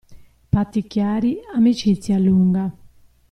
Patti chiari, amicizia lunga.